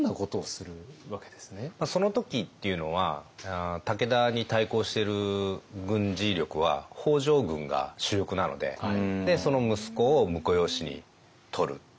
その時っていうのは武田に対抗してる軍事力は北条軍が主力なのでその息子を婿養子に取る。